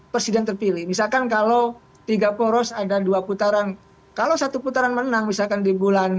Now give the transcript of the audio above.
presiden terpilih misalkan kalau tiga poros ada dua putaran kalau satu putaran menang misalkan di bulan